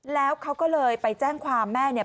แล้วเขาก็เลยไปแจ้งความแม่เนี่ย